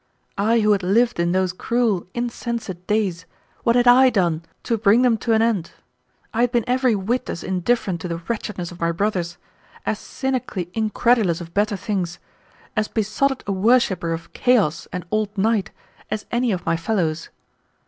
I who had lived in those cruel, insensate days, what had I done to bring them to an end? I had been every whit as indifferent to the wretchedness of my brothers, as cynically incredulous of better things, as besotted a worshiper of Chaos and Old Night, as any of my fellows.